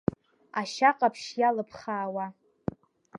Ашьа ҟаԥшь иалԥххаауа.